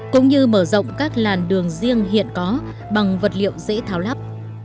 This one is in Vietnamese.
cũng như mở rộng các làn đường riêng hiện có bằng vật liệu dễ tháo lắp